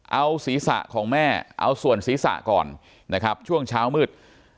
เอาศีรษะของแม่เอาส่วนศีรษะก่อนนะครับช่วงเช้ามืด